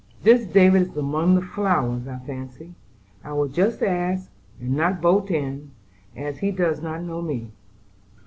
"This David is among the flowers, I fancy; I will just ask, and not bolt in, as he does not know me.